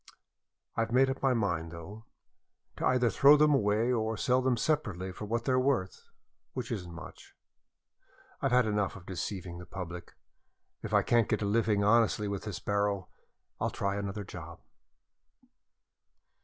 I have made up my mind, though, to either throw them away or sell them separately for what they are worth, which isn't much. I've had enough of deceiving the public. If I can't get a living honestly with this barrow, I'll try another job."